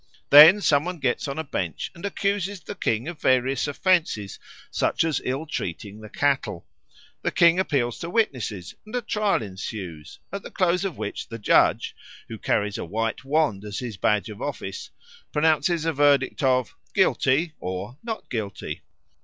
Then some one gets on a bench and accuses the King of various offences, such as ill treating the cattle. The King appeals to witnesses and a trial ensues, at the close of which the judge, who carries a white wand as his badge of office, pronounces a verdict of "Guilty," or "Not guilty."